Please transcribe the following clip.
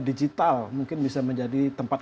digital mungkin bisa menjadi tempat